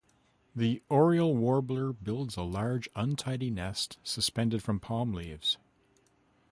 The oriole warbler builds a large untidy nest suspended from palm leaves.